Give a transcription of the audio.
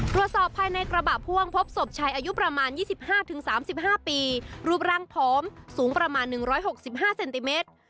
ตรวจสอบภายในกระบะพ่วงพบศพชายอายุประมาณ๒๕๓๕ปีรูปร่างผอมสูงประมาณ๑๖๕เซนติเมตร